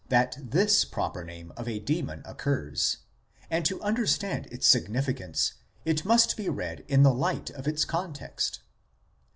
6 that this proper name of a demon occurs, and to understand its significance it must be read in the light of its context.